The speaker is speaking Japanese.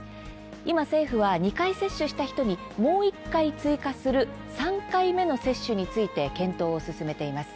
今、政府は２回接種した人にもう１回追加する３回目の接種について検討を進めています。